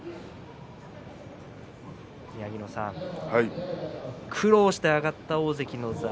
宮城野さん苦労して上がった大関の座